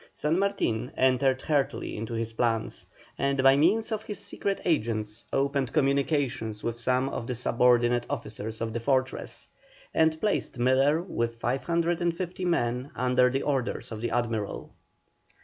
San Martin entered heartily into his plans, and by means of his secret agents opened communications with some of the subordinate officers of the fortress, and placed Miller with 550 men under the orders of the Admiral.